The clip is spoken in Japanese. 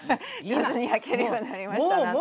上手に焼けるようになりました何とか。